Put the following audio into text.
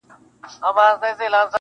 کيسه د بحث مرکز ګرځي تل-